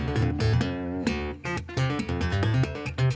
อีกอีกอีกอีก